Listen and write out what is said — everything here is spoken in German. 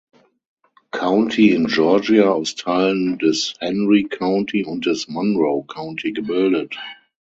County in Georgia aus Teilen des Henry County und des Monroe County gebildet.